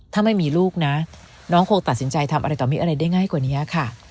ถ้าไม่มีลูกนะน้องคงตัดสินใจทำอะไรต่อมีอะไรได้ง่ายกว่านี้ค่ะ